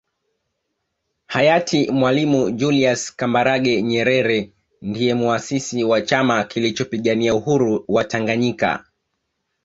Hayati Mwalimu Julius Kambarage Nyerere ndiye Muasisi wa Chama kilichopigania uhuru wa Tanganyika